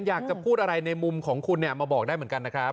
อยากจะพูดอะไรในมุมของคุณเนี่ยมาบอกได้เหมือนกันนะครับ